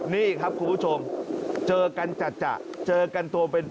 นี่ครับคุณผู้ชมเจอกันจัดเจอกันตัวเป็น